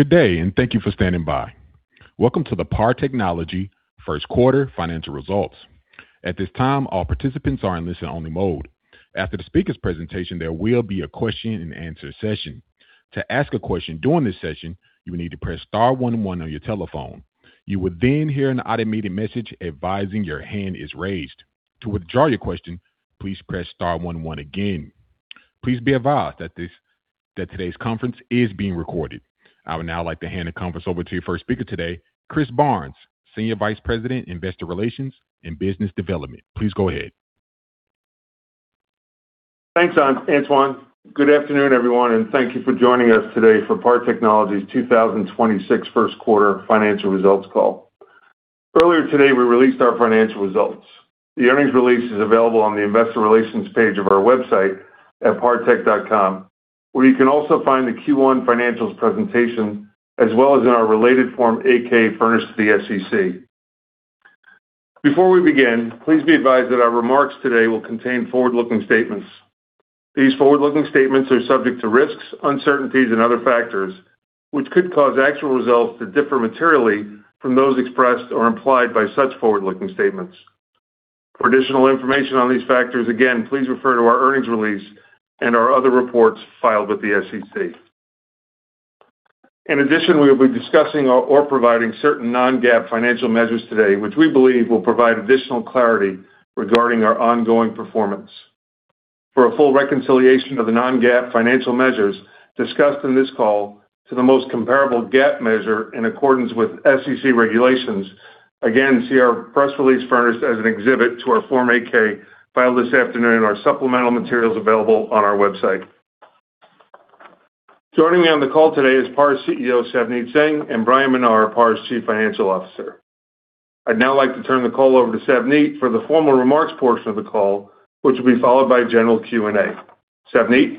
Good day, and thank you for standing by. Welcome to the PAR Technology first-quarter financial results. At this time, all participants are listen only mode after the speaker's presentation. There will be a question-and-answer session. To ask a question during the session, you need to press star one one on your telephone. You would then hear an automated message advising your hand is raised. To adjourn your answer, press one one again. Please be advised that today's conference is being recorded. I would now like to hand the conference over to your first speaker today, Chris Byrnes, Senior Vice President, Investor Relations and Business Development. Please go ahead. Thanks, Antoine. Good afternoon, everyone, and thank you for joining us today for PAR Technology's 2026 Q1 financial results call. Earlier today, we released our financial results. The earnings release is available on the investor relations page of our website at partech.com, where you can also find the Q1 financials presentation as well as in our related Form 8-K furnished to the SEC. Before we begin, please be advised that our remarks today will contain forward-looking statements. These forward-looking statements are subject to risks, uncertainties, and other factors, which could cause actual results to differ materially from those expressed or implied by such forward-looking statements. For additional information on these factors, again, please refer to our earnings release and our other reports filed with the SEC. In addition, we will be discussing or providing certain non-GAAP financial measures today, which we believe will provide additional clarity regarding our ongoing performance. For a full reconciliation of the non-GAAP financial measures discussed in this call to the most comparable GAAP measure in accordance with SEC regulations, again, see our press release furnished as an exhibit to our Form 8-K filed this afternoon and our supplemental materials available on our website. Joining me on the call today is PAR's CEO, Savneet Singh, and Bryan Menar, PAR's Chief Financial Officer. I'd now like to turn the call over to Savneet for the formal remarks portion of the call, which will be followed by general Q&A. Savneet?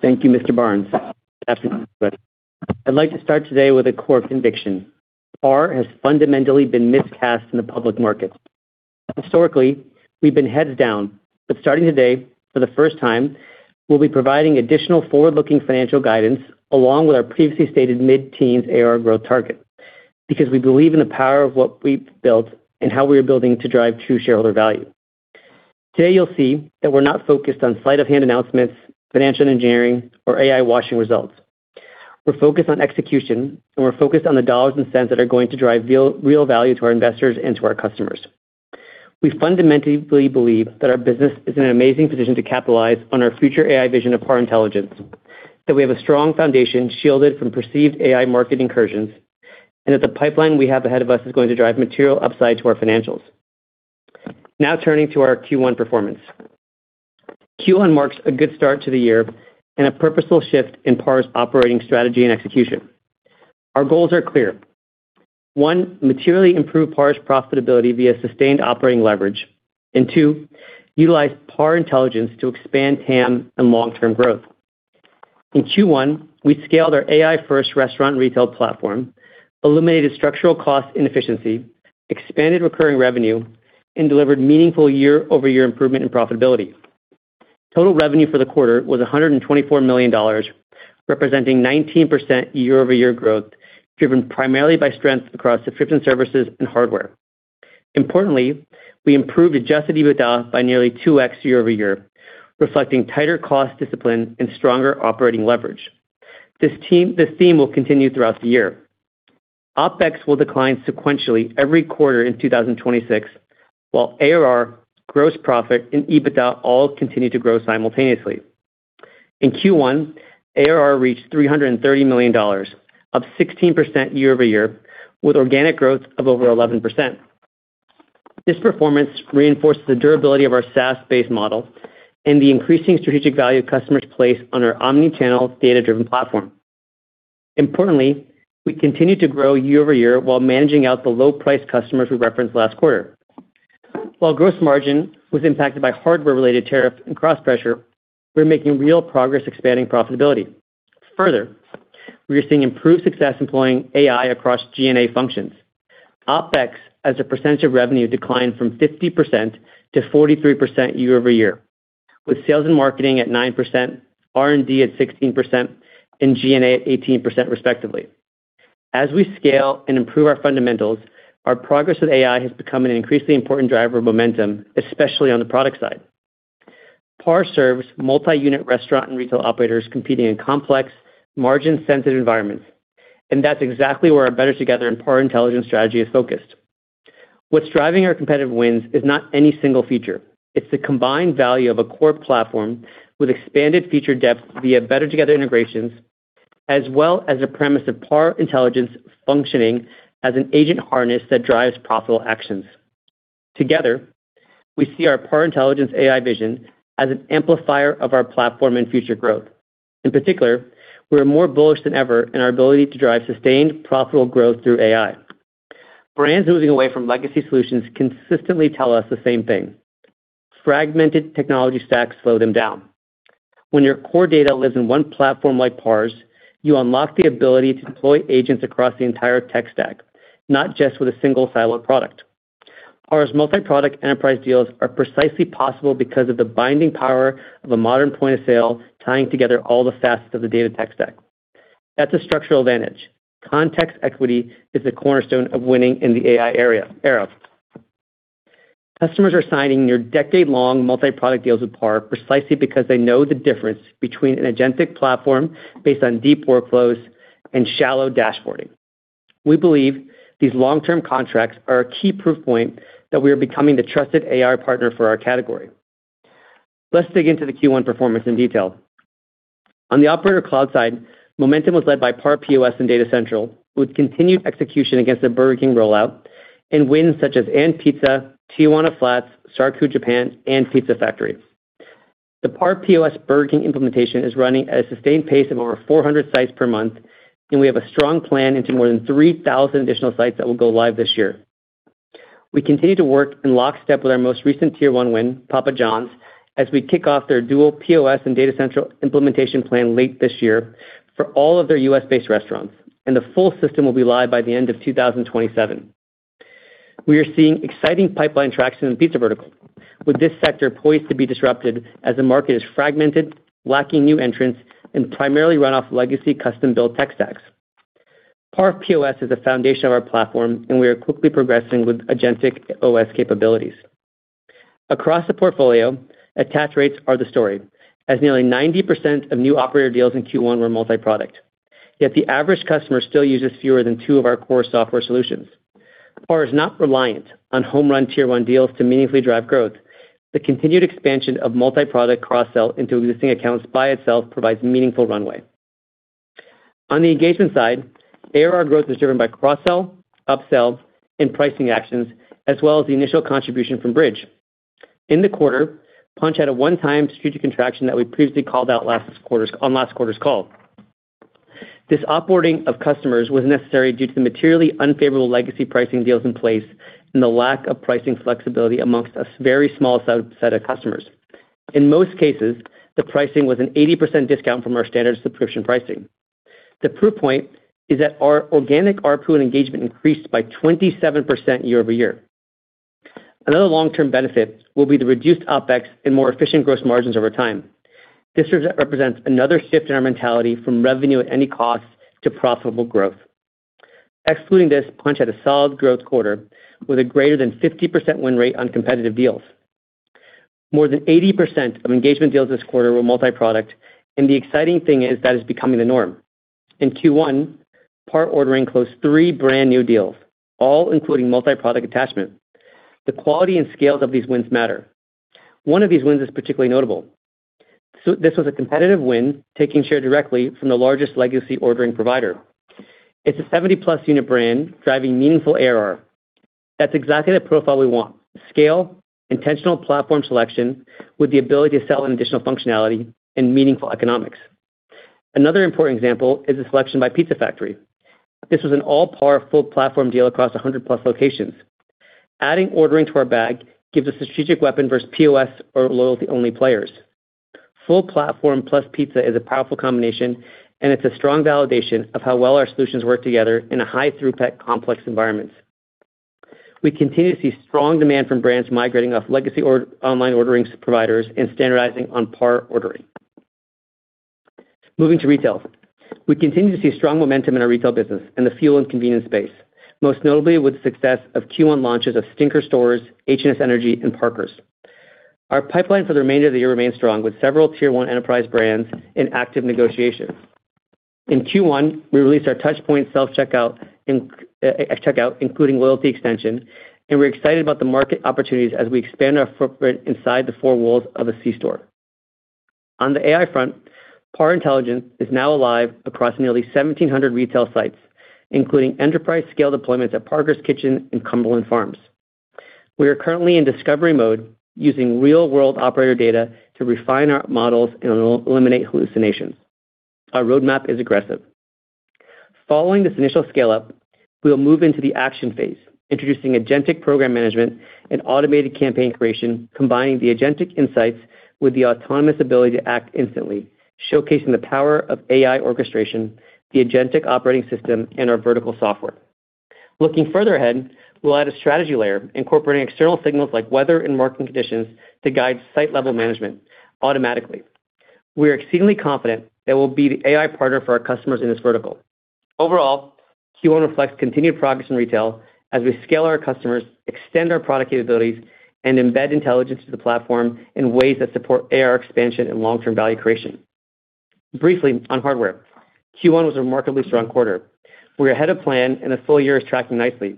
Thank you, Mr. Byrnes. Good afternoon, everybody. I'd like to start today with a core conviction. PAR has fundamentally been miscast in the public market. Historically, we've been heads down, but starting today, for the first time, we'll be providing additional forward-looking financial guidance along with our previously stated mid-teens ARR growth target because we believe in the power of what we've built and how we are building to drive true shareholder value. Today, you'll see that we're not focused on sleight-of-hand announcements, financial engineering, or AI-washing results. We're focused on execution, and we're focused on the dollars and cents that are going to drive real value to our investors and to our customers. We fundamentally believe that our business is in an amazing position to capitalize on our future AI vision of PAR Intelligence, that we have a strong foundation shielded from perceived AI market incursions, and that the pipeline we have ahead of us is going to drive material upside to our financials. Turning to our Q1 performance. Q1 marks a good start to the year and a purposeful shift in PAR's operating strategy and execution. Our goals are clear. One, materially improve PAR's profitability via sustained operating leverage. Two, utilize PAR Intelligence to expand TAM and long-term growth. In Q1, we scaled our AI-first restaurant and retail platform, eliminated structural cost inefficiency, expanded recurring revenue, and delivered meaningful year-over-year improvement in profitability. Total revenue for the quarter was $124 million, representing 19% year-over-year growth, driven primarily by strength across subscription services and hardware. Importantly, we improved adjusted EBITDA by nearly 2x year-over-year, reflecting tighter cost discipline and stronger operating leverage. This theme will continue throughout the year. OpEx will decline sequentially every quarter in 2026, while ARR, gross profit, and EBITDA all continue to grow simultaneously. In Q1, ARR reached $330 million, up 16% year-over-year, with organic growth of over 11%. This performance reinforces the durability of our SaaS-based model and the increasing strategic value customers place on our omni-channel data-driven platform. Importantly, we continue to grow year-over-year while managing out the low-price customers we referenced last quarter. While gross margin was impacted by hardware-related tariff and cost pressure, we're making real progress expanding profitability. Further, we are seeing improved success employing AI across G&A functions. OpEx as a percentage of revenue declined from 50% to 43% year-over-year, with sales and marketing at 9%, R&D at 16%, and G&A at 18%, respectively. As we scale and improve our fundamentals, our progress with AI has become an increasingly important driver of momentum, especially on the product side. PAR serves multi-unit restaurant and retail operators competing in complex, margin-sensitive environments. That's exactly where our Better Together and PAR Intelligence strategy is focused. What's driving our competitive wins is not any single feature. It's the combined value of a core platform with expanded feature depth via Better Together integrations, as well as a premise of PAR Intelligence functioning as an agent harness that drives profitable actions. Together, we see our PAR Intelligence AI vision as an amplifier of our platform and future growth. In particular, we are more bullish than ever in our ability to drive sustained profitable growth through AI. Brands moving away from legacy solutions consistently tell us the same thing. Fragmented technology stacks slow them down. When your core data lives in one platform like PAR's, you unlock the ability to deploy agents across the entire tech stack, not just with a single siloed product. PAR's multi-product enterprise deals are precisely possible because of the binding power of a modern point of sale, tying together all the facets of the data tech stack. That's a structural advantage. Context equity is the cornerstone of winning in the AI era. Customers are signing near-decade-long multi-product deals with PAR precisely because they know the difference between an agentic platform based on deep workflows and shallow dashboarding. We believe these long-term contracts are a key proof point that we are becoming the trusted AI partner for our category. Let's dig into the Q1 performance in detail. On the Operator Cloud side, momentum was led by PAR POS and Data Central, with continued execution against the Burger King rollout and wins such as &pizza, Tijuana Flats, Sarku Japan, and Pizza Factory. The PAR POS Burger King implementation is running at a sustained pace of over 400 sites per month, and we have a strong plan into more than 3,000 additional sites that will go live this year. We continue to work in lockstep with our most recent tier one win, Papa Johns, as we kick off their dual POS and Data Central implementation plan late this year for all of their U.S.-based restaurants. The full system will be live by the end of 2027. We are seeing exciting pipeline traction in pizza vertical, with this sector poised to be disrupted as the market is fragmented, lacking new entrants, and primarily run off legacy custom-built tech stacks. PAR POS is the foundation of our platform. We are quickly progressing with agentic OS capabilities. Across the portfolio, attach rates are the story, as nearly 90% of new operator deals in Q1 were multi-product. The average customer still uses fewer than two of our core software solutions. PAR is not reliant on home run tier one deals to meaningfully drive growth. The continued expansion of multi-product cross-sell into existing accounts by itself provides meaningful runway. On the engagement side, ARR growth is driven by cross-sell, up-sells, and pricing actions, as well as the initial contribution from Bridg. In the quarter, Punchh had a one-time strategic contraction that we previously called out on last quarter's call. This upboarding of customers was necessary due to the materially unfavorable legacy pricing deals in place and the lack of pricing flexibility amongst a very small set of customers. In most cases, the pricing was an 80% discount from our standard subscription pricing. The proof point is that our organic ARPU and engagement increased by 27% year-over-year. Another long-term benefit will be the reduced OpEx and more efficient gross margins over time. This represents another shift in our mentality from revenue at any cost to profitable growth. Excluding this, Punchh had a solid growth quarter with a greater than 50% win rate on competitive deals. More than 80% of engagement deals this quarter were multi-product, and the exciting thing is that is becoming the norm. In Q1, PAR Ordering closed three brand-new deals, all including multi-product attachment. The quality and scales of these wins matter. One of these wins is particularly notable. This was a competitive win, taking share directly from the largest legacy ordering provider. It's a 70-plus unit brand driving meaningful ARR. That's exactly the profile we want. Scale, intentional platform selection with the ability to sell an additional functionality and meaningful economics. Another important example is the selection by Pizza Factory. This was an all-PAR full platform deal across 100-plus locations. Adding ordering to our bag gives a strategic weapon versus POS or loyalty-only players. Full platform plus pizza is a powerful combination, and it's a strong validation of how well our solutions work together in a high throughput, complex environments. We continue to see strong demand from brands migrating off legacy online ordering providers and standardizing on PAR Ordering. Moving to retail. We continue to see strong momentum in our retail business in the fuel and convenience space, most notably with the success of Q1 launches of Stinker Stores, H&S Energy, and Parker's. Our pipeline for the remainder of the year remains strong with several tier one enterprise brands in active negotiations. In Q1, we released our TouchPoint self-checkout checkout, including loyalty extension, and we're excited about the market opportunities as we expand our footprint inside the four walls of a C-store. On the AI front, PAR Intelligence is now alive across nearly 1,700 retail sites, including enterprise-scale deployments at Parker's Kitchen and Cumberland Farms. We are currently in discovery mode, using real-world operator data to refine our models and eliminate hallucinations. Our roadmap is aggressive. Following this initial scale-up, we will move into the action phase, introducing agentic program management and automated campaign creation, combining the agentic insights with the autonomous ability to act instantly, showcasing the power of AI orchestration, the agentic operating system, and our vertical software. Looking further ahead, we'll add a strategy layer, incorporating external signals like weather and market conditions to guide site-level management automatically. We are exceedingly confident that we'll be the AI partner for our customers in this vertical. Overall, Q1 reflects continued progress in retail as we scale our customers, extend our product capabilities, and embed intelligence to the platform in ways that support ARR expansion and long-term value creation. Briefly on hardware. Q1 was a remarkably strong quarter. We are ahead of plan, and the full year is tracking nicely.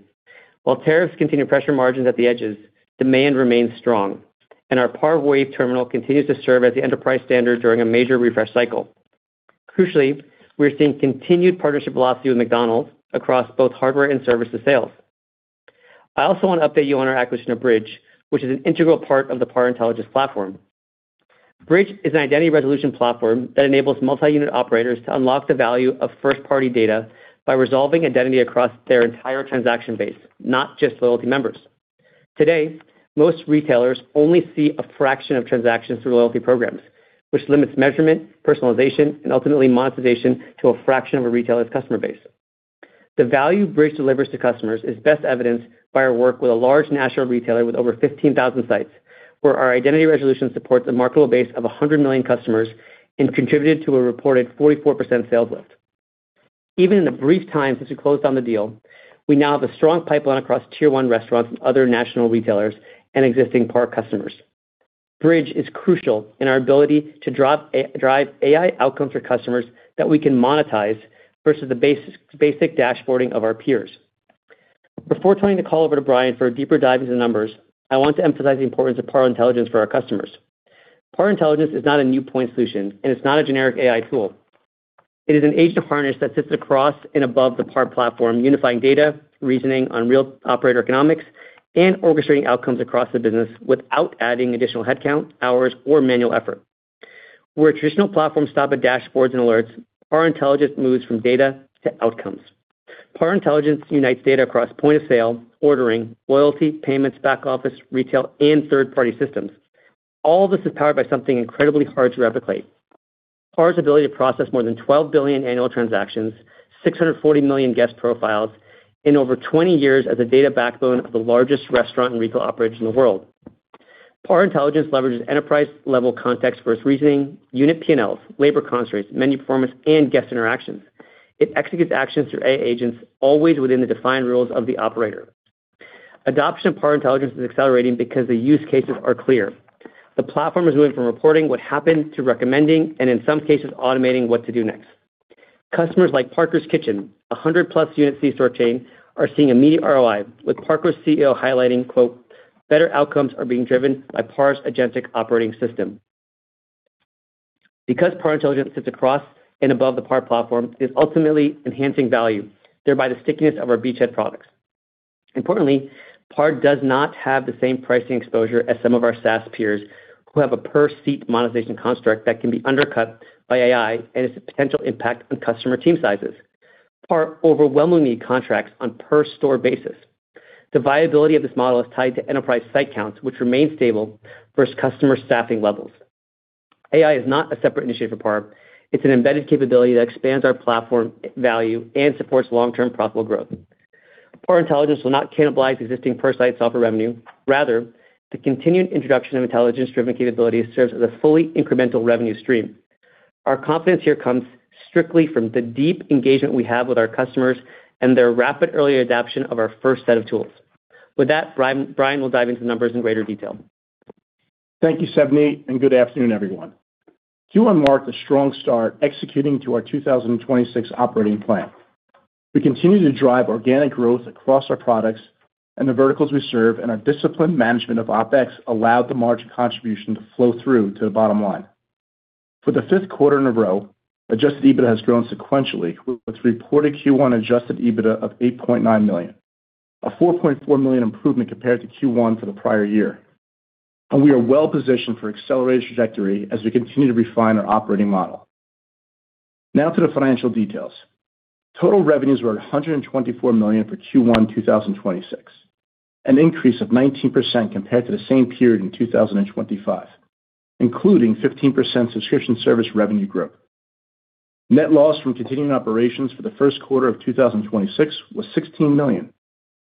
While tariffs continue to pressure margins at the edges, demand remains strong, and our PAR Wave terminal continues to serve as the enterprise standard during a major refresh cycle. Crucially, we are seeing continued partnership velocity with McDonald's across both hardware and services sales. I also want to update you on our acquisition of Bridg, which is an integral part of the PAR Intelligence platform. Bridg is an identity resolution platform that enables multi-unit operators to unlock the value of first-party data by resolving identity across their entire transaction base, not just loyalty members. Today, most retailers only see a fraction of transactions through loyalty programs. Which limits measurement, personalization, and ultimately monetization to a fraction of a retailer's customer base. The value Bridg delivers to customers is best evidenced by our work with a large national retailer with over 15,000 sites, where our identity resolution supports a marketable base of 100 million customers and contributed to a reported 44% sales lift. Even in the brief time since we closed on the deal, we now have a strong pipeline across tier one restaurants and other national retailers and existing PAR customers. Bridg is crucial in our ability to drive AI outcomes for customers that we can monetize, versus the basic dashboarding of our peers. Before turning the call over to Bryan for a deeper dive into the numbers, I want to emphasize the importance of PAR Intelligence for our customers. PAR Intelligence is not a new point solution, and it's not a generic AI tool. It is an agent of harness that sits across and above the PAR platform, unifying data, reasoning on real operator economics, and orchestrating outcomes across the business without adding additional headcount, hours, or manual effort. Where traditional platforms stop at dashboards and alerts, PAR Intelligence moves from data to outcomes. PAR Intelligence unites data across point of sale, ordering, loyalty, payments, back-office, retail, and third-party systems. All this is powered by something incredibly hard to replicate. PAR's ability to process more than 12 billion annual transactions, 640 million guest profiles, and over 20 years as a data backbone of the largest restaurant and retail operators in the world. PAR Intelligence leverages enterprise-level context for its reasoning, unit P&Ls, labor constraints, menu performance, and guest interactions. It executes actions through A-agents, always within the defined rules of the operator. Adoption of PAR Intelligence is accelerating because the use cases are clear. The platform is moving from reporting what happened to recommending, and in some cases, automating what to do next. Customers like Parker's Kitchen, a 100-plus unit C-store chain, are seeing immediate ROI, with Parker's CEO highlighting, quote, "Better outcomes are being driven by PAR's agentic operating system." Because PAR Intelligence sits across and above the PAR platform, it is ultimately enhancing value, thereby the stickiness of our beachhead products. Importantly, PAR does not have the same pricing exposure as some of our SaaS peers, who have a per-seat monetization construct that can be undercut by AI and its potential impact on customer team sizes. PAR overwhelmingly contracts on per store basis. The viability of this model is tied to enterprise site counts, which remain stable versus customer staffing levels. AI is not a separate initiative for PAR. It's an embedded capability that expands our platform value and supports long-term profitable growth. PAR Intelligence will not cannibalize existing per-site software revenue. Rather, the continued introduction of intelligence-driven capabilities serves as a fully incremental revenue stream. Our confidence here comes strictly from the deep engagement we have with our customers and their rapid early adoption of our first set of tools. With that, Bryan will dive into the numbers in greater detail. Thank you, Savneet, and good afternoon, everyone. Q1 marked a strong start executing to our 2026 operating plan. We continue to drive organic growth across our products and the verticals we serve, and our disciplined management of OpEx allowed the margin contribution to flow through to the bottom line. For the fifth quarter in a row, adjusted EBITDA has grown sequentially, with reported Q1 adjusted EBITDA of $8.9 million, a $4.4 million improvement compared to Q1 for the prior year. We are well-positioned for accelerated trajectory as we continue to refine our operating model. Now to the financial details. Total revenues were $124 million for Q1 2026, an increase of 19% compared to the same period in 2025, including 15% subscription service revenue growth. Net loss from continuing operations for the first quarter of 2026 was $16 million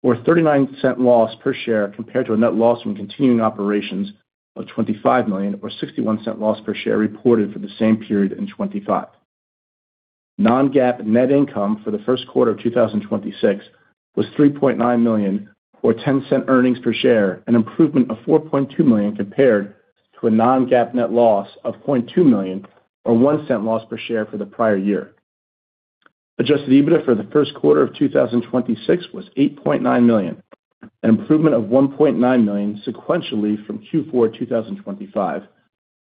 or $0.39 loss per share, compared to a net loss from continuing operations of $25 million or $0.61 loss per share reported for the same period in 2025. Non-GAAP net income for the first quarter of 2026 was $3.9 million or $0.10 earnings per share, an improvement of $4.2 million compared to a non-GAAP net loss of $0.2 million or $0.01 loss per share for the prior year. Adjusted EBITDA for the first quarter of 2026 was $8.9 million, an improvement of $1.9 million sequentially from Q4 2025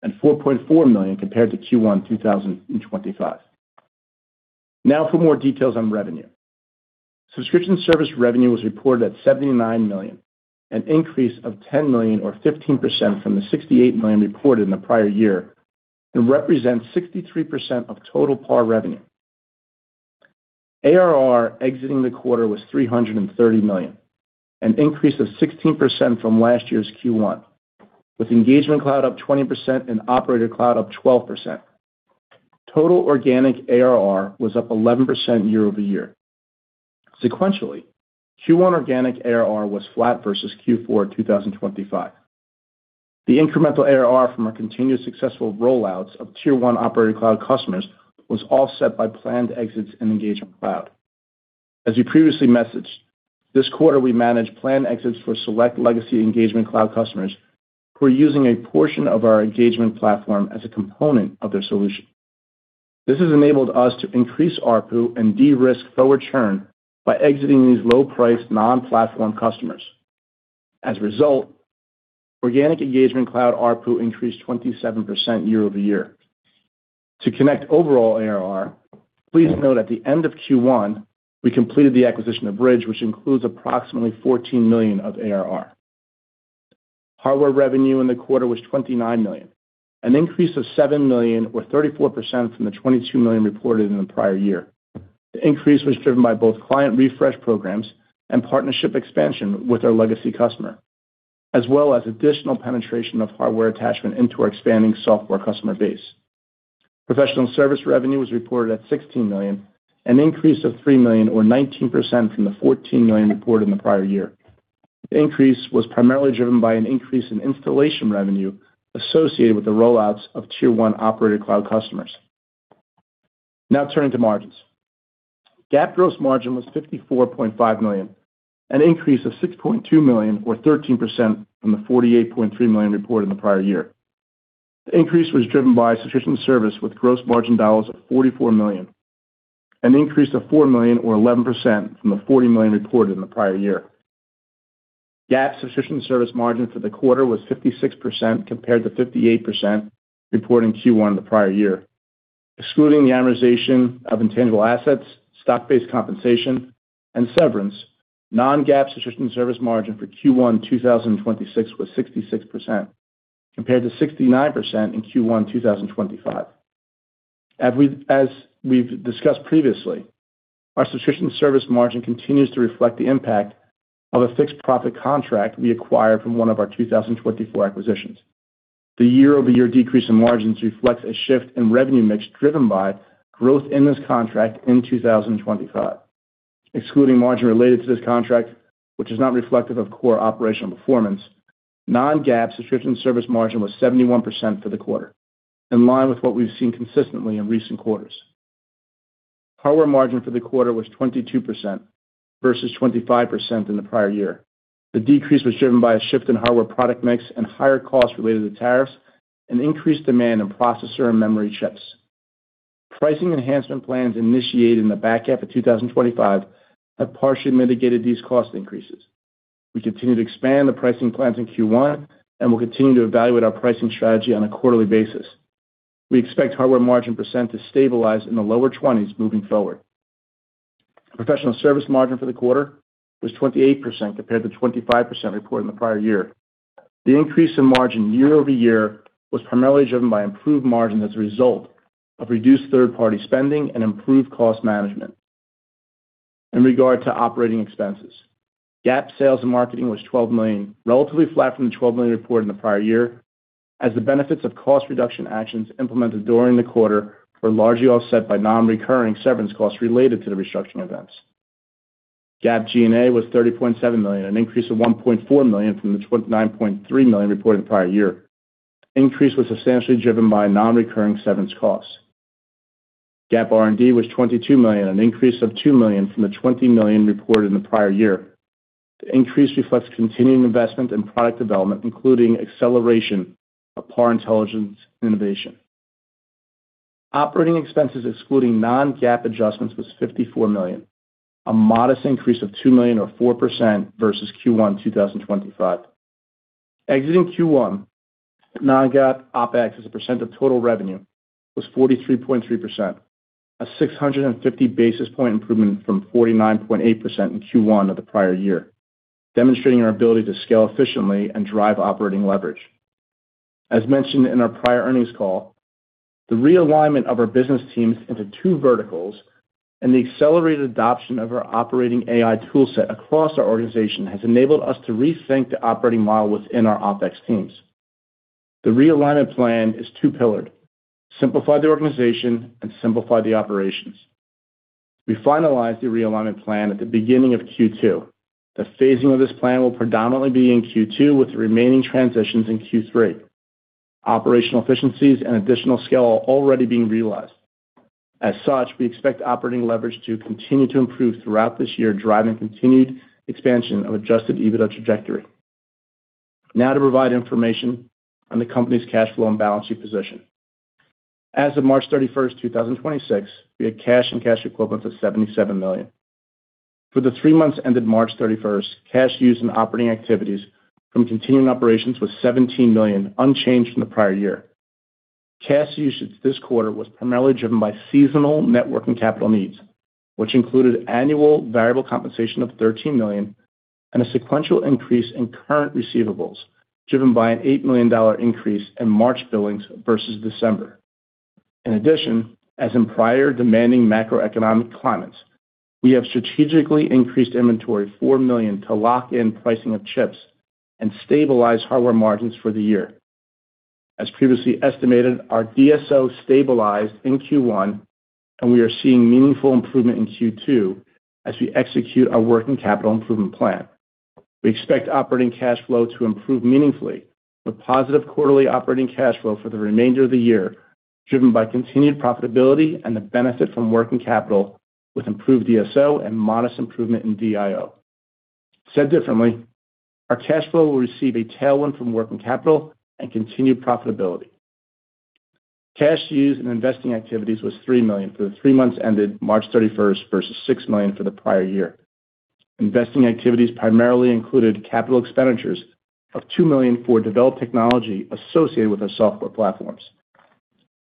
and $4.4 million compared to Q1 2025. Now for more details on revenue. Subscription service revenue was reported at $79 million, an increase of $10 million or 15% from the $68 million reported in the prior year, and represents 63% of total PAR revenue. ARR exiting the quarter was $330 million, an increase of 16% from last year's Q1, with Engagement Cloud up 20% and Operator Cloud up 12%. Total organic ARR was up 11% year-over-year. Sequentially, Q1 organic ARR was flat versus Q4 2025. The incremental ARR from our continuous successful rollouts of tier 1 Operator Cloud customers was offset by planned exits in Engagement Cloud. As we previously messaged, this quarter we managed planned exits for select legacy Engagement Cloud customers who are using a portion of our engagement platform as a component of their solution. This has enabled us to increase ARPU and de-risk forward churn by exiting these low-priced non-platform customers. As a result, organic Engagement Cloud ARPU increased 27% year-over-year. To connect overall ARR, please note at the end of Q1, we completed the acquisition of Bridg, which includes approximately $14 million of ARR. Hardware revenue in the quarter was $29 million, an increase of $7 million or 34% from the $22 million reported in the prior year. The increase was driven by both client refresh programs and partnership expansion with our legacy customer, as well as additional penetration of hardware attachment into our expanding software customer base. Professional service revenue was reported at $16 million, an increase of $3 million or 19% from the $14 million reported in the prior year. The increase was primarily driven by an increase in installation revenue associated with the rollouts of tier one Operator Cloud customers. Turning to margins. GAAP gross margin was $54.5 million, an increase of $6.2 million or 13% from the $48.3 million reported in the prior year. The increase was driven by subscription service with gross margin dollars of $44 million, an increase of $4 million or 11% from the $40 million reported in the prior year. GAAP subscription service margin for the quarter was 56% compared to 58% reported in Q1 the prior year. Excluding the amortization of intangible assets, stock-based compensation, and severance, non-GAAP subscription service margin for Q1 2026 was 66% compared to 69% in Q1 2025. As we've discussed previously, our subscription service margin continues to reflect the impact of a fixed profit contract we acquired from one of our 2024 acquisitions. The year-over-year decrease in margins reflects a shift in revenue mix driven by growth in this contract in 2025. Excluding margin related to this contract, which is not reflective of core operational performance, non-GAAP subscription service margin was 71% for the quarter, in line with what we've seen consistently in recent quarters. Hardware margin for the quarter was 22% versus 25% in the prior year. The decrease was driven by a shift in hardware product mix and higher costs related to tariffs and increased demand in processor and memory chips. Pricing enhancement plans initiated in the back half of 2025 have partially mitigated these cost increases. We continue to expand the pricing plans in Q1, and we'll continue to evaluate our pricing strategy on a quarterly basis. We expect hardware margin percent to stabilize in the lower twenties moving forward. Professional service margin for the quarter was 28% compared to 25% reported in the prior year. The increase in margin year-over-year was primarily driven by improved margin as a result of reduced third-party spending and improved cost management. In regard to operating expenses, GAAP sales and marketing was $12 million, relatively flat from the $12 million reported in the prior year, as the benefits of cost reduction actions implemented during the quarter were largely offset by non-recurring severance costs related to the restructuring events. GAAP G&A was $30.7 million, an increase of $1.4 million from the $29.3 million reported the prior year. Increase was substantially driven by non-recurring severance costs. GAAP R&D was $22 million, an increase of $2 million from the $20 million reported in the prior year. The increase reflects continuing investment in product development, including acceleration of PAR Intelligence innovation. Operating expenses excluding non-GAAP adjustments was $54 million, a modest increase of $2 million or 4% versus Q1 2025. Exiting Q1, non-GAAP OpEx as a percent of total revenue was 43.3%, a 650 basis point improvement from 49.8% in Q1 of the prior year, demonstrating our ability to scale efficiently and drive operating leverage. As mentioned in our prior earnings call, the realignment of our business teams into two verticals and the accelerated adoption of our operating AI tool set across our organization has enabled us to rethink the operating model within our OpEx teams. The realignment plan is two-pillared: simplify the organization and simplify the operations. We finalized the realignment plan at the beginning of Q2. The phasing of this plan will predominantly be in Q2, with the remaining transitions in Q3. Operational efficiencies and additional scale are already being realized. As such, we expect operating leverage to continue to improve throughout this year, driving continued expansion of adjusted EBITDA trajectory. Now, to provide information on the company's cash flow and balancing position. As of March 31st, 2026, we had cash and cash equivalents of $77 million. For the three months ended March 31st, cash used in operating activities from continuing operations was $17 million, unchanged from the prior year. Cash usage this quarter was primarily driven by seasonal networking capital needs, which included annual variable compensation of $13 million and a sequential increase in current receivables, driven by an $8 million increase in March billings versus December. As in prior demanding macroeconomic climates, we have strategically increased inventory $4 million to lock in pricing of chips and stabilize hardware margins for the year. As previously estimated, our DSO stabilized in Q1. We are seeing meaningful improvement in Q2 as we execute our working capital improvement plan. We expect operating cash flow to improve meaningfully with positive quarterly operating cash flow for the remainder of the year, driven by continued profitability and the benefit from working capital with improved DSO and modest improvement in DIO. Said differently, our cash flow will receive a tailwind from working capital and continued profitability. Cash used in investing activities was $3 million for the three months ended March 31st versus $6 million for the prior year. Investing activities primarily included capital expenditures of $2 million for developed technology associated with our software platforms.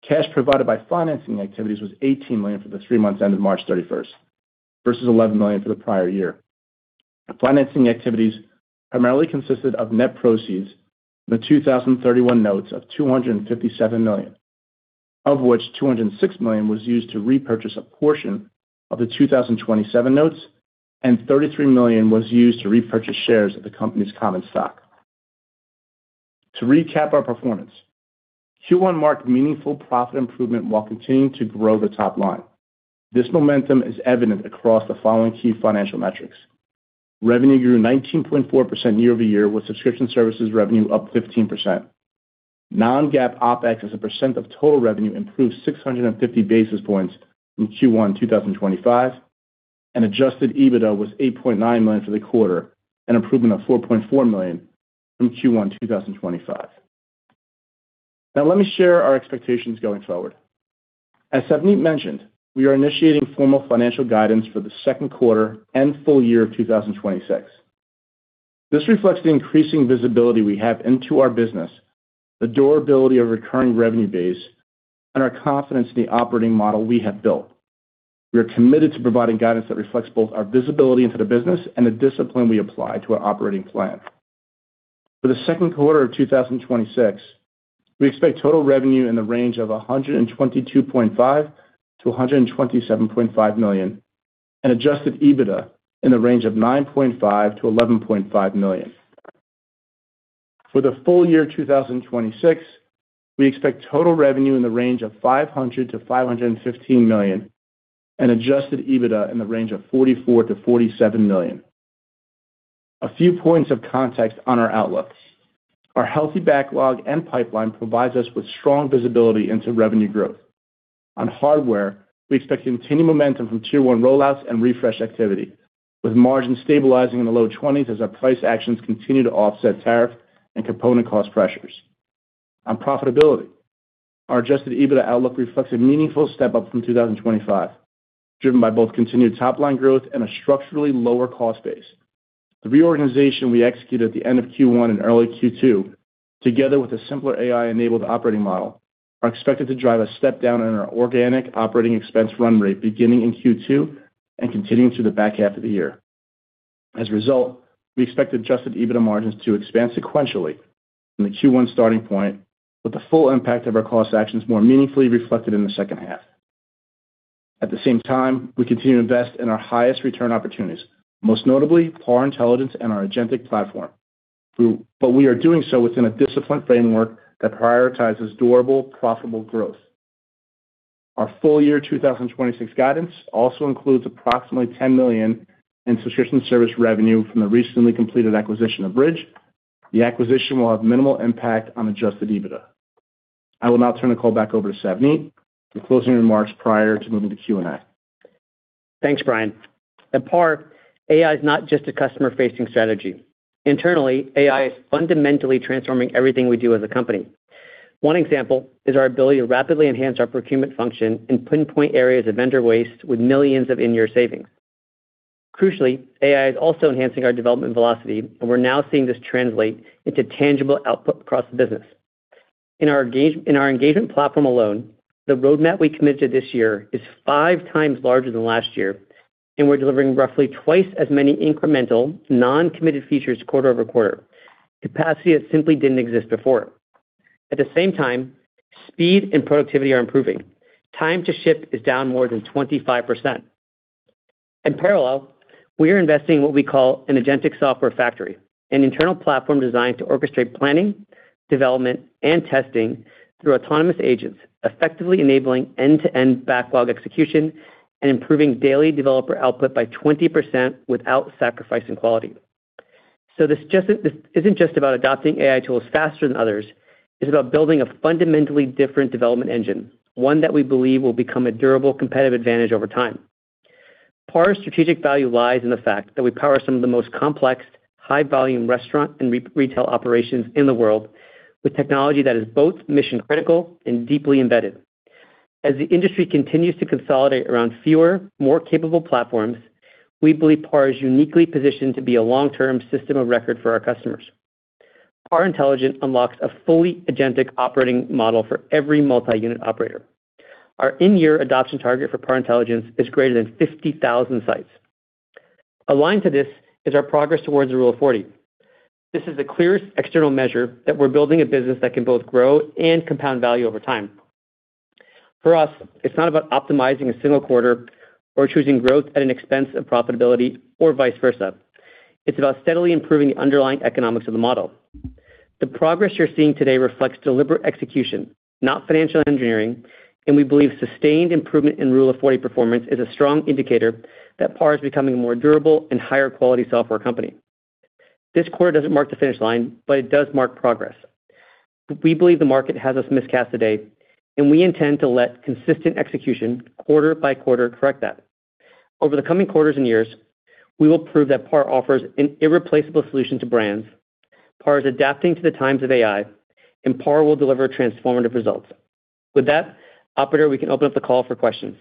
Cash provided by financing activities was $18 million for the three months ended March 31st versus $11 million for the prior year. The financing activities primarily consisted of net proceeds, the 2031 notes of $257 million, of which $206 million was used to repurchase a portion of the 2027 notes and $33 million was used to repurchase shares of the company's common stock. To recap our performance, Q1 marked meaningful profit improvement while continuing to grow the top line. This momentum is evident across the following key financial metrics. Revenue grew 19.4% year-over-year, with subscription services revenue up 15%. Non-GAAP OpEx as a percent of total revenue improved 650 basis points from Q1 2025, and adjusted EBITDA was $8.9 million for the quarter, an improvement of $4.4 million from Q1 2025. Now, let me share our expectations going forward. As Savneet mentioned, we are initiating formal financial guidance for the second quarter and full year of 2026. This reflects the increasing visibility we have into our business, the durability of recurring revenue base, and our confidence in the operating model we have built. We are committed to providing guidance that reflects both our visibility into the business and the discipline we apply to our operating plan. For the second quarter of 2026, we expect total revenue in the range of $122.5 million-$127.5 million and adjusted EBITDA in the range of $9.5 million-$11.5 million. For the full year 2026, we expect total revenue in the range of $500 million-$515 million and adjusted EBITDA in the range of $44 million-$47 million. A few points of context on our outlooks. Our healthy backlog and pipeline provides us with strong visibility into revenue growth. On hardware, we expect continued momentum from tier one rollouts and refresh activity, with margin stabilizing in the low 20s as our price actions continue to offset tariff and component cost pressures. On profitability, our adjusted EBITDA outlook reflects a meaningful step-up from 2025, driven by both continued top-line growth and a structurally lower cost base. The reorganization we executed at the end of Q1 and early Q2, together with a simpler AI-enabled operating model, are expected to drive a step-down in our organic operating expense run rate beginning in Q2 and continuing through the back half of the year. As a result, we expect adjusted EBITDA margins to expand sequentially from the Q1 starting point, with the full impact of our cost actions more meaningfully reflected in the second half. At the same time, we continue to invest in our highest return opportunities, most notably PAR Intelligence and our agentic platform, we are doing so within a disciplined framework that prioritizes durable, profitable growth. Our full year 2026 guidance also includes approximately $10 million in subscription service revenue from the recently completed acquisition of Bridg. The acquisition will have minimal impact on adjusted EBITDA. I will now turn the call back over to Savneet for closing remarks prior to moving to Q&A. Thanks, Bryan. At PAR, AI is not just a customer-facing strategy. Internally, AI is fundamentally transforming everything we do as a company. One example is our ability to rapidly enhance our procurement function and pinpoint areas of vendor waste with millions of in-year savings. Crucially, AI is also enhancing our development velocity, and we're now seeing this translate into tangible output across the business. In our engagement platform alone, the roadmap we committed this year is five times larger than last year, and we're delivering roughly twice as many incremental non-committed features quarter-over-quarter. Capacity that simply didn't exist before. At the same time, speed and productivity are improving. Time to ship is down more than 25%. In parallel, we are investing in what we call an agentic software factory, an internal platform designed to orchestrate planning, development, and testing through autonomous agents, effectively enabling end-to-end backlog execution and improving daily developer output by 20% without sacrificing quality. This just isn't just about adopting AI tools faster than others. It's about building a fundamentally different development engine, one that we believe will become a durable competitive advantage over time. PAR's strategic value lies in the fact that we power some of the most complex, high-volume restaurant and retail operations in the world with technology that is both mission-critical and deeply embedded. As the industry continues to consolidate around fewer, more capable platforms, we believe PAR is uniquely positioned to be a long-term system of record for our customers. PAR Intelligence unlocks a fully agentic operating model for every multi-unit operator. Our in-year adoption target for PAR Intelligence is greater than 50,000 sites. Aligned to this is our progress towards the Rule of 40. This is the clearest external measure that we're building a business that can both grow and compound value over time. For us, it's not about optimizing a single quarter or choosing growth at an expense of profitability or vice versa. It's about steadily improving the underlying economics of the model. The progress you're seeing today reflects deliberate execution, not financial engineering, and we believe sustained improvement in Rule of 40 performance is a strong indicator that PAR is becoming a more durable and higher quality software company. This quarter doesn't mark the finish line, but it does mark progress. We believe the market has us miscast today. We intend to let consistent execution quarter by quarter correct that. Over the coming quarters and years, we will prove that PAR offers an irreplaceable solution to brands, PAR is adapting to the times of AI, and PAR will deliver transformative results. With that, operator, we can open up the call for questions.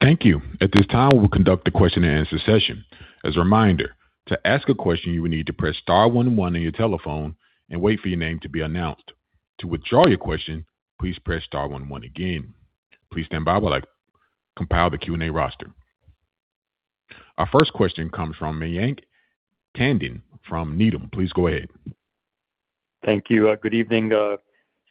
Thank you. At this time, we'll conduct the question-and-answer session. As a reminder, to ask a question, you will need to press star one one on your telephone and wait for your name to be announced. To withdraw your question, please press star one one again. Please stand by while I compile the Q&A roster. Our first question comes from Mayank Tandon from Needham & Company. Please go ahead. Thank you. Good evening,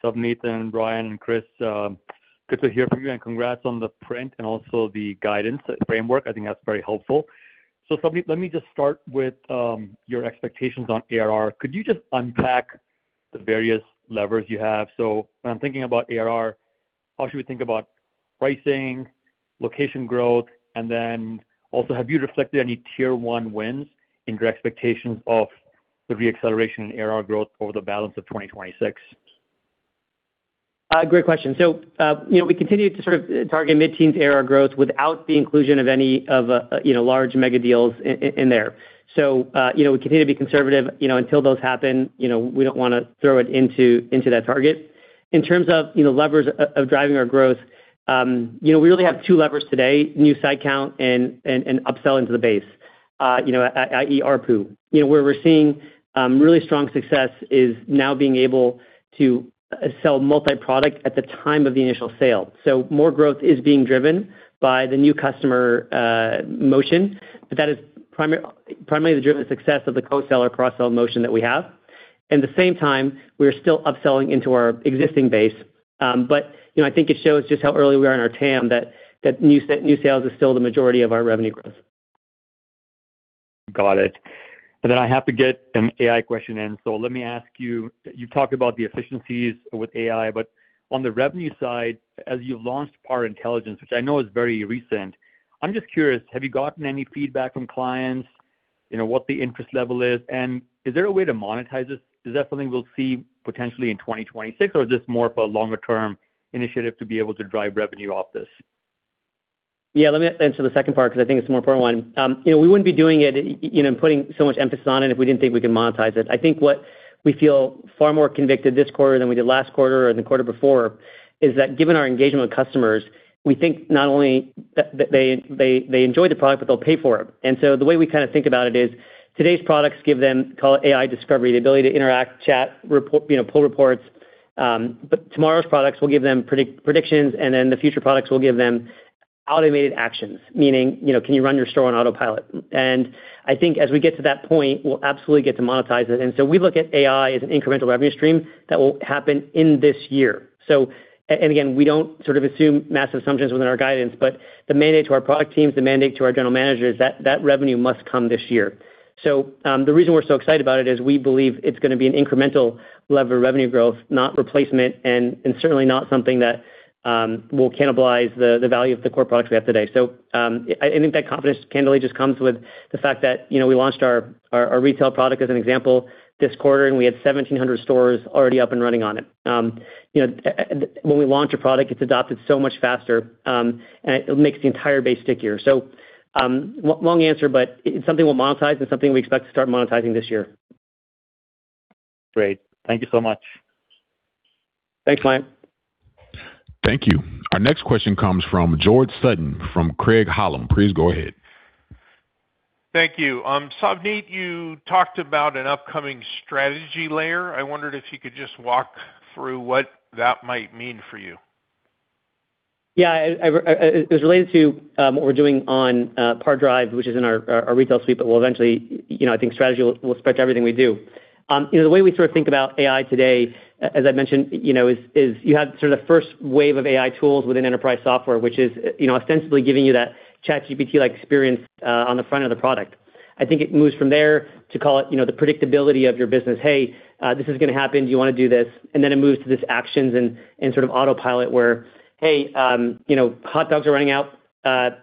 Savneet and Bryan and Chris. Good to hear from you, and congrats on the print and also the guidance framework. I think that's very helpful. Savneet, let me just start with your expectations on ARR. Could you just unpack the various levers you have? When I'm thinking about ARR, how should we think about pricing, location growth, and then also have you reflected any tier one win into expectations of the re-acceleration in ARR growth over the balance of 2026? Great question. You know, we continue to sort of target mid-teens ARR growth without the inclusion of any of, you know, large mega deals in there. You know, we continue to be conservative, you know, until those happen. You know, we don't wanna throw it into that target. In terms of, you know, levers of driving our growth, you know, we really have two levers today: new site count and upselling to the base, you know, i.e., ARPU. You know, where we're seeing really strong success is now being able to sell multi-product at the time of the initial sale. More growth is being driven by the new customer motion, but that is primarily the driven success of the co-sell or cross-sell motion that we have. The same time, we're still upselling into our existing base. But, you know, I think it shows just how early we are in our TAM that new sales is still the majority of our revenue growth. Got it. I have to get an AI question in. Let me ask you talked about the efficiencies with AI, but on the revenue side, as you've launched PAR Intelligence, which I know is very recent, I'm just curious, have you gotten any feedback from clients, you know, what the interest level is? Is there a way to monetize this? Is that something we'll see potentially in 2026, or is this more of a longer-term initiative to be able to drive revenue off this? Yeah, let me answer the second part because I think it's a more important one. You know, we wouldn't be doing it, you know, putting so much emphasis on it if we didn't think we could monetize it. I think what we feel far more convicted this quarter than we did last quarter or the quarter before is that given our engagement with customers, we think not only that they enjoy the product, but they'll pay for it. The way we kinda think about it is today's products give them, call it AI discovery, the ability to interact, chat, report, you know, pull reports. Tomorrow's products will give them predictions, the future products will give them automated actions, meaning, you know, can you run your store on autopilot? I think as we get to that point, we'll absolutely get to monetize it. We look at AI as an incremental revenue stream that will happen in this year. Again, we don't sort of assume massive assumptions within our guidance, but the mandate to our product teams, the mandate to our general manager is that that revenue must come this year. The reason we're so excited about it is we believe it's gonna be an incremental lever revenue growth, not replacement, and certainly not something that will cannibalize the value of the core products we have today. I think that confidence candidly just comes with the fact that, you know, we launched our retail product as an example this quarter, and we had 1,700 stores already up and running on it. You know, when we launch a product, it's adopted so much faster, and it makes the entire base stickier. Long answer, but it's something we'll monetize and something we expect to start monetizing this year. Great. Thank you so much. Thanks, Mayank. Thank you. Our next question comes from George Sutton from Craig-Hallum. Please go ahead. Thank you. Savneet, you talked about an upcoming strategy layer. I wondered if you could just walk through what that might mean for you. It was related to what we're doing on PAR Drive, which is in our retail suite. We'll eventually, you know, I think strategy will respect everything we do. You know, the way we sort of think about AI today, as I mentioned, you know, is you have sort of the first wave of AI tools within enterprise software, which is, you know, ostensibly giving you that ChatGPT-like experience on the front of the product. I think it moves from there to call it, you know, the predictability of your business. Hey, this is gonna happen. Do you wanna do this? It moves to these actions and sort of autopilot where, hey, you know, hot dogs are running out,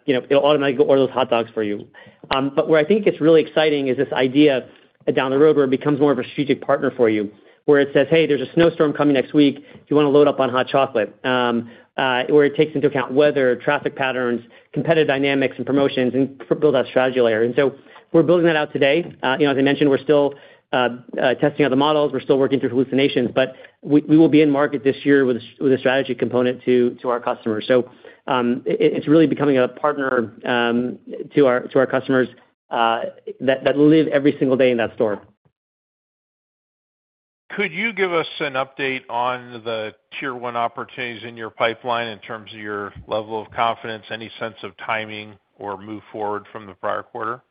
you know, it'll automatically order those hot dogs for you. Where I think it gets really exciting is this idea down the road where it becomes more of a strategic partner for you, where it says, "Hey, there's a snowstorm coming next week. Do you wanna load up on hot chocolate?" where it takes into account weather, traffic patterns, competitive dynamics, and promotions, and build that strategy layer. We're building that out today. You know, as I mentioned, we're still testing out the models. We're still working through hallucinations. We will be in market this year with a strategy component to our customers. It's really becoming a partner to our customers that live every single day in that store. Could you give us an update on the tier 1 opportunities in your pipeline in terms of your level of confidence, any sense of timing, or move forward from the prior quarter?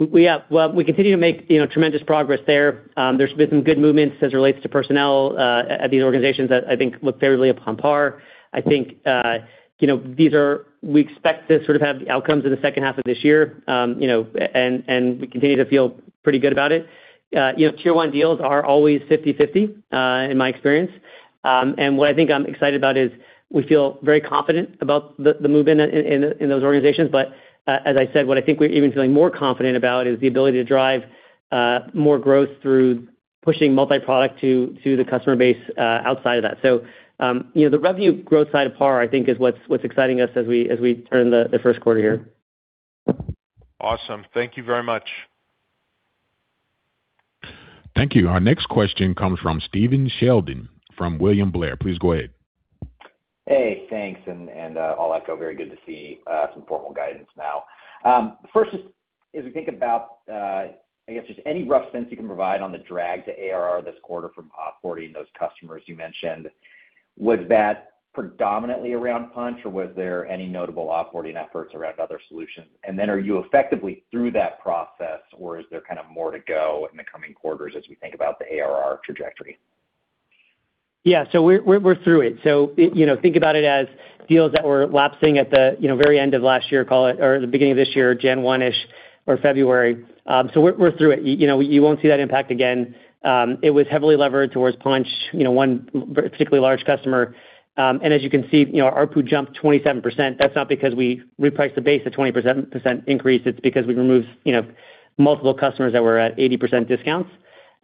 Well, we continue to make, you know, tremendous progress there. There's been some good movements as it relates to personnel at these organizations that I think look fairly upon PAR. I think, you know, we expect to sort of have the outcomes in the second half of this year. You know, and we continue to feel pretty good about it. You know, tier one deals are always 50/50 in my experience. What I think I'm excited about is we feel very confident about the movement in those organizations. As I said, what I think we're even feeling more confident about is the ability to drive more growth through pushing multi-product to the customer base outside of that. You know, the revenue growth side of PAR, I think, is what's exciting us as we turn the first quarter here. Awesome. Thank you very much. Thank you. Our next question comes from Stephen Sheldon from William Blair. Please go ahead. Hey, thanks. I'll echo very good to see some formal guidance now. As we think about, I guess just any rough sense you can provide on the drag to ARR this quarter from off-boarding those customers you mentioned, was that predominantly around Punchh, or was there any notable off-boarding efforts around other solutions? Are you effectively through that process, or is there kind of more to go in the coming quarters as we think about the ARR trajectory? We're through it. You know, think about it as deals that were lapsing at the, you know, very end of last year, call it, or the beginning of this year, January 1-ish or February. We're through it. You know, you won't see that impact again. It was heavily levered towards Punchh, you know, one particularly large customer. As you can see, you know, ARPU jumped 27%. That's not because we repriced the base at 20% increase. It's because we removed, you know, multiple customers that were at 80% discounts.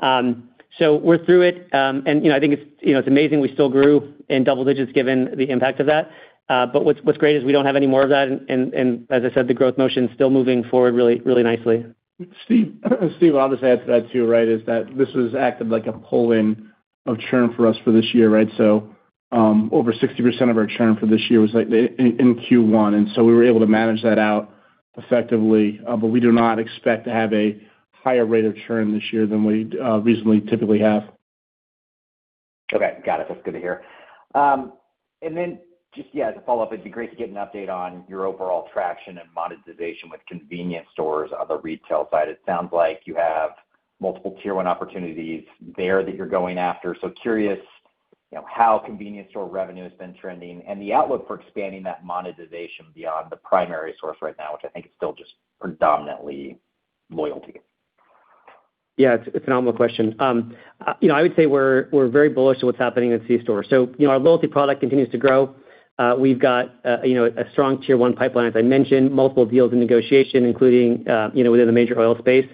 We're through it. I think it's, you know, it's amazing we still grew in double digits given the impact of that. What's great is we don't have any more of that, and, as I said, the growth motion's still moving forward really, really nicely. Steve, I'll just add to that too, right, is that this was acted like a pull-in of churn for us for this year, right? Over 60% of our churn for this year was like the in Q1, we were able to manage that out effectively. We do not expect to have a higher rate of churn this year than we'd reasonably typically have. Okay. Got it. That's good to hear. Just, yeah, to follow up, it'd be great to get an update on your overall traction and monetization with convenience stores on the retail side. It sounds like you have multiple tier one opportunities there that you're going after. Curious, you know, how convenience store revenue has been trending and the outlook for expanding that monetization beyond the primary source right now, which I think is still just predominantly loyalty. Yeah. It's an honorable question. You know, I would say we're very bullish to what's happening in C-store. You know, our loyalty product continues to grow. We've got, you know, a strong tier one pipeline, as I mentioned, multiple deals in negotiation, including, you know, within the major oil space.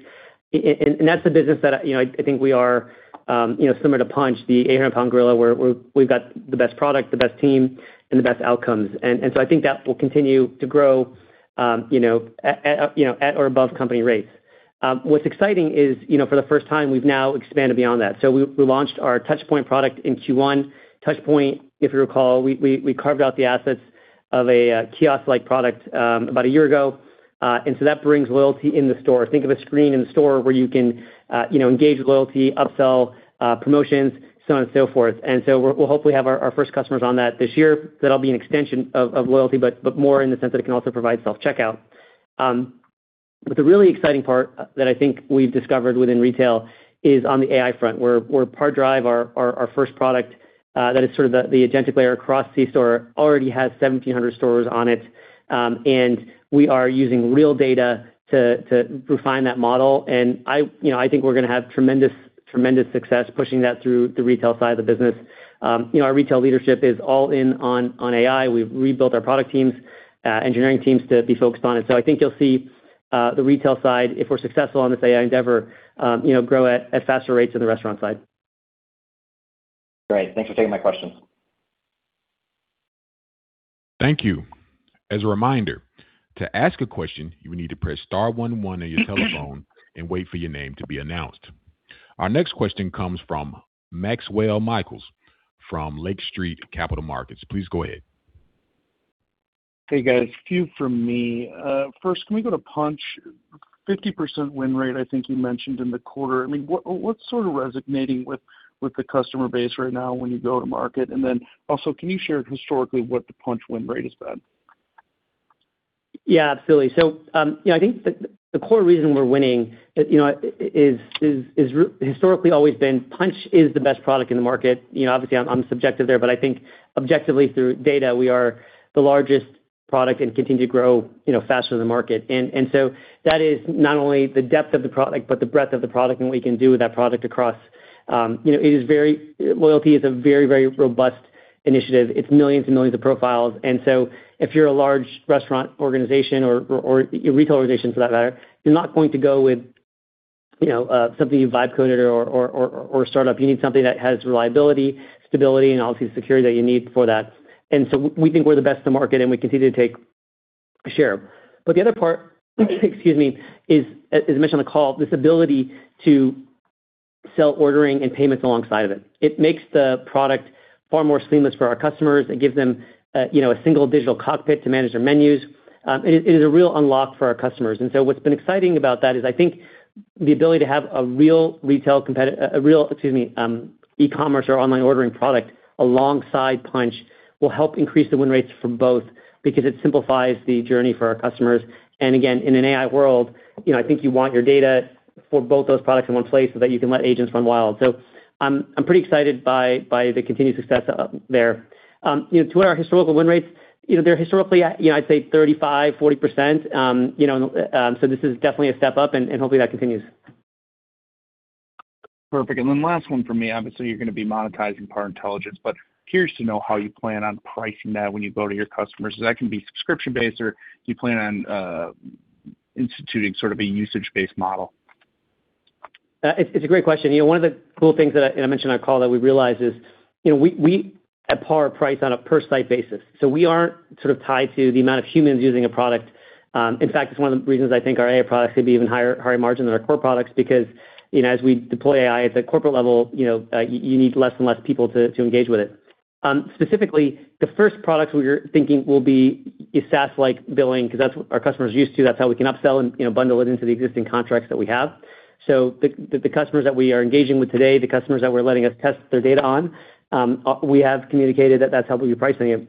That's the business that, you know, I think we are, you know, similar to Punchh, the 800-pound gorilla, where we're, we've got the best product, the best team, and the best outcomes. I think that will continue to grow, you know, at, you know, at or above company rates. What's exciting is, you know, for the first time, we've now expanded beyond that. We launched our TouchPoint product in Q1. TouchPoint, if you recall, we carved out the assets of a kiosk-like product about a year ago. That brings loyalty in the store. Think of a screen in the store where you can, you know, engage with loyalty, upsell, promotions, so on and so forth. We'll hopefully have our first customers on that this year. That'll be an extension of loyalty, but more in the sense that it can also provide self-checkout. The really exciting part that I think we've discovered within retail is on the AI front, where PAR Retail Drive our first product that is sort of the agentic layer across C-store, already has 1,700 stores on it. We are using real data to refine that model. I, you know, I think we're gonna have tremendous success pushing that through the retail side of the business. You know, our retail leadership is all in on AI. We've rebuilt our product teams, engineering teams to be focused on it. I think you'll see the retail side, if we're successful on this AI endeavor, you know, grow at faster rate than the restaurant side. Great. Thanks for taking my questions. Thank you. Our next question comes from Maxwell Michaelis from Lake Street Capital Markets. Please go ahead. Hey, guys. A few from me. First, can we go to Punchh? 50% win rate, I think you mentioned in the quarter. I mean, what's sort of resonating with the customer base right now when you go to market? Can you share historically what the Punchh win rate has been? Absolutely. I think the core reason we're winning historically always been Punchh is the best product in the market. Obviously, I'm subjective there, but I think objectively through data, we are the largest product and continue to grow faster than the market. That is not only the depth of the product, but the breadth of the product and what we can do with that product across. Loyalty is a very, very robust initiative. It's millions and millions of profiles. If you're a large restaurant organization or a retail organization, for that matter, you're not going to go with something you vibe coded or a startup. You need something that has reliability, stability, and obviously security that you need for that. We think we're the best in the market, and we continue to take share. The other part, excuse me, is, as mentioned on the call, this ability to sell ordering and payments alongside of it. It makes the product far more seamless for our customers. It gives them, you know, a single digital cockpit to manage their menus. It is a real unlock for our customers. What's been exciting about that is I think the ability to have a real retail, a real, excuse me, e-commerce or online ordering product alongside Punchh will help increase the win rates for both because it simplifies the journey for our customers. Again, in an AI world, you know, I think you want your data for both those products in one place so that you can let agents run wild. I'm pretty excited by the continued success there. You know, to our historical win rates, you know, they're historically at, you know, I'd say 35%-40%. This is definitely a step up, and hopefully that continues. Perfect. Last one for me. Obviously, you're gonna be monetizing PAR Intelligence, but curious to know how you plan on pricing that when you go to your customers. Is that gonna be subscription-based, or do you plan on instituting sort of a usage-based model? It's a great question. You know, one of the cool things that I mentioned on our call that we realized is, you know, we at PAR price on a per-site basis, so we aren't sort of tied to the amount of humans using a product. In fact, it's one of the reasons I think our AI products could be even higher margin than our core products because, you know, as we deploy AI at the corporate level, you need less and less people to engage with it. Specifically, the first products we're thinking will be a SaaS-like billing 'cause that's what our customers are used to, that's how we can upsell and, you know, bundle it into the existing contracts that we have. The customers that we are engaging with today, the customers that we're letting us test their data on, we have communicated that that's how we'll be pricing it.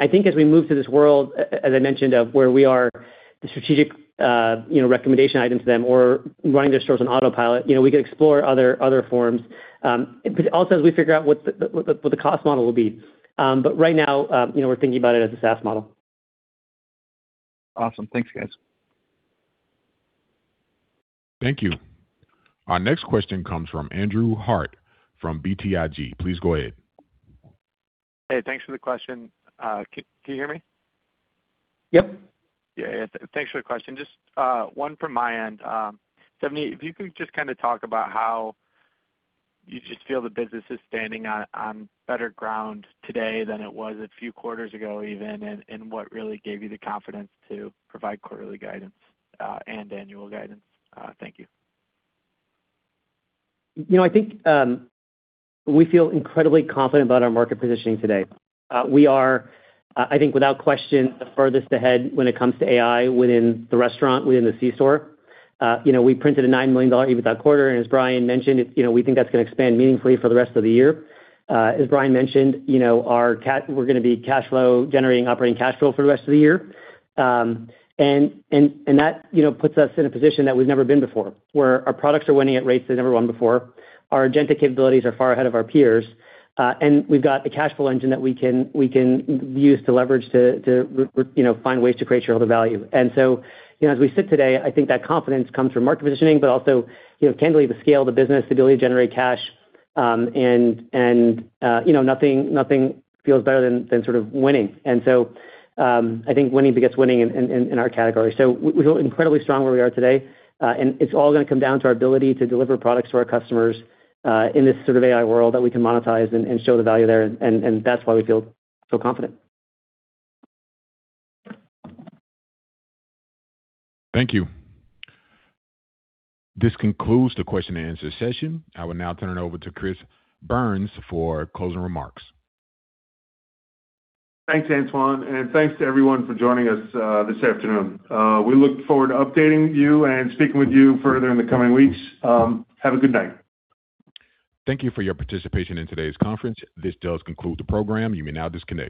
I think as we move to this world, as I mentioned, of where we are the strategic, you know, recommendation item to them or running their stores on autopilot, you know, we could explore other forms. Also, as we figure out what the cost model will be. Right now, you know, we're thinking about it as a SaaS model. Awesome. Thanks, guys. Thank you. Our next question comes from Andrew Harte from BTIG. Please go ahead. Hey, thanks for the question. Can you hear me? Yep. Yeah, yeah. Thanks for the question. Just one from my end. Savneet, if you could just kinda talk about how you just feel the business is standing on better ground today than it was a few quarters ago, even, and what really gave you the confidence to provide quarterly guidance and annual guidance. Thank you. You know, I think, we feel incredibly confident about our market positioning today. We are, I think, without question, the furthest ahead when it comes to AI within the restaurant, within the C-store. You know, we printed a $9 million EBITDA quarter, and as Bryan Menar mentioned, you know, we think that's gonna expand meaningfully for the rest of the year. As Bryan Menar mentioned, you know, we're gonna be cash flow, generating operating cash flow for the rest of the year. That, you know, puts us in a position that we've never been before, where our products are winning at rates they've never won before. Our agentic capabilities are far ahead of our peers. We've got the cash flow engine that we can use to leverage, to, you know, find ways to create shareholder value. You know, as we sit today, I think that confidence comes from market positioning, but also, you know, candidly, the scale of the business, the ability to generate cash, and, you know, nothing feels better than sort of winning. I think winning begets winning in our category. We feel incredibly strong where we are today, and it's all gonna come down to our ability to deliver products to our customers in this sort of AI world that we can monetize and show the value there. That's why we feel so confident. Thank you. This concludes the question-and-answer session. I will now turn it over to Chris Byrnes for closing remarks. Thanks, Antoine, and thanks to everyone for joining us this afternoon. We look forward to updating you and speaking with you further in the coming weeks. Have a good night. Thank you for your participation in today's conference. This does conclude the program. You may now disconnect.